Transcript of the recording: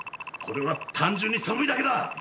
これは単純に寒いだけだ。